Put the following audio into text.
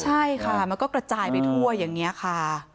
ใช่ค่ะมันก็กระจายไปทั่วอย่างนี้ค่ะ